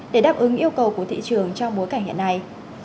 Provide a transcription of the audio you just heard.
để đáp ứng yêu cầu của thị trường trong bối cảnh hiện nay